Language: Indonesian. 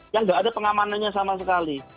yang gak ada pengamanannya sama sekali